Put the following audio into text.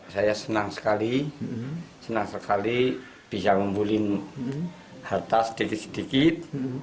saya senang sekali senang sekali bisa ngumpulin harta sedikit sedikit